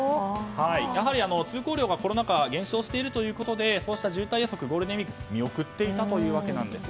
やはり、通行量がコロナ禍は減少しているということでそうした渋滞予測はゴールデンウィーク見送っていたということなんです。